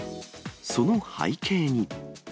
その背景に。